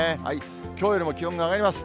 きょうよりも気温が上がります。